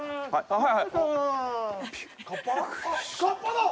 はい。